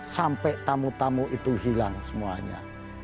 sampai tamu tamu itu hilang semuanya